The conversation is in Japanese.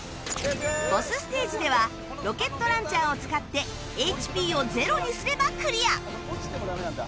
ボスステージではロケットランチャーを使って ＨＰ をゼロにすればクリア落ちてもダメなんだ？